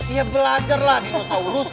ya belajar lah dinosaurus